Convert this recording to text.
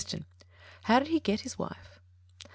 _How did he get his wife?